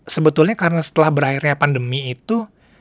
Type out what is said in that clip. sebetulnya karena setelah berakhirnya pandemi itu